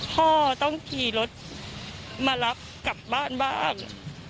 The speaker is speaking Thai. พ่อต้องขี่รถมารับกลับบ้านบ้าง